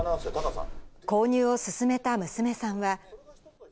購入を勧めた娘さんは。